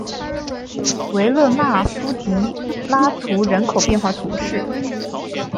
维勒纳夫迪拉图人口变化图示